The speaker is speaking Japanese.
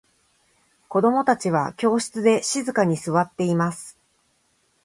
子供達は教室で静かに座っています。